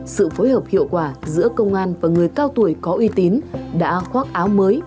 sự phối hợp hiệu quả giữa công an và người cao tuổi có uy tín đã khoác áo mới